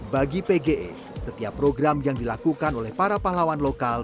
bagi pge setiap program yang dilakukan oleh para pahlawan lokal